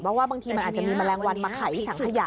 เพราะว่าบางทีมันอาจจะมีแมลงวันมาขายที่ถังขยะ